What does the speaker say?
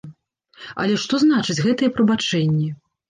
Але што значаць гэтыя прабачэнні?